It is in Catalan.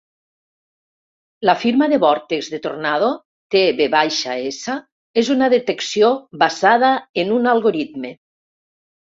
La firma de vòrtex de tornado (TVS) és una detecció basada en un algoritme.